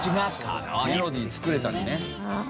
メロディー作れたりね。